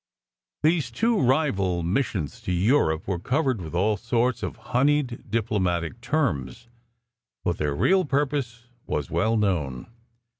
These two rival "missions" to Europe were covered with all sorts of honeyed diplomatic terms, but their real purpose was well known.